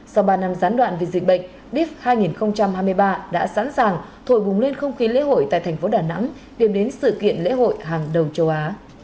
sau ba năm gián đoạn vì dịch bệnh dieps hai nghìn hai mươi ba đã sẵn sàng thổi bùng lên không khí lễ hội tại thành phố đà nẵng điểm đến sự kiện lễ hội hàng đầu châu á